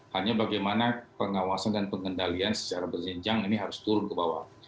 hanya bagaimana pengawasan dan pengendalian secara berjenjang ini harus turun ke bawah